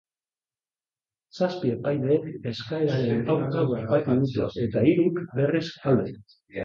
Zazpi epailek eskaeraren aurka bozkatu dute eta hiruk, berriz, alde.